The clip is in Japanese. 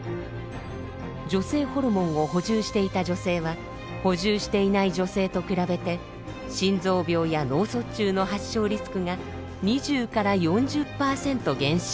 女性ホルモンを補充していた女性は補充していない女性と比べて心臓病や脳卒中の発症リスクが２０４０％減少。